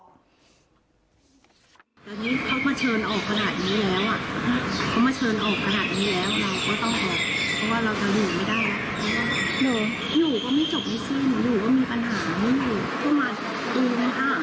เดี๋ยวนี้เขามาเชิญออกขนาดนี้แล้วอ่ะเขามาเชิญออกขนาดนี้แล้ว